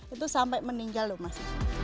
itu sampai meninggal loh mas